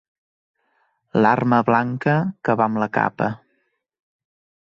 L'arma blanca que va amb la capa.